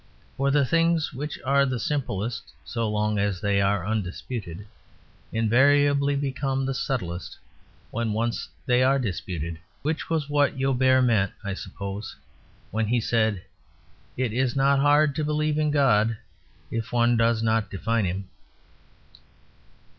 For the things which are the simplest so long as they are undisputed invariably become the subtlest when once they are disputed: which was what Joubert meant, I suppose, when he said, "It is not hard to believe in God if one does not define Him."